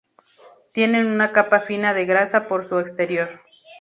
Tienen una capa fina de grasa por su exterior.